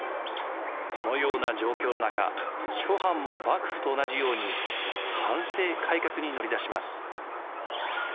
このような状況の中諸藩も幕府と同じように藩政改革に乗り出します。